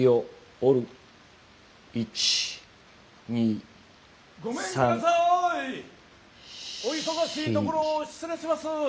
・お忙しいところを失礼します。